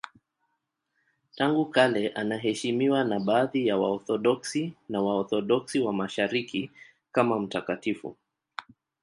Tangu kale anaheshimiwa na baadhi ya Waorthodoksi na Waorthodoksi wa Mashariki kama mtakatifu.